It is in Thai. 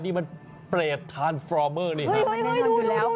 นี่มันเปรตทานฟรอเมอร์นี่ฮะ